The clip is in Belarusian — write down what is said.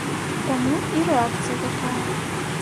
Таму і рэакцыя такая.